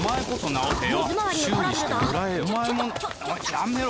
やめろ！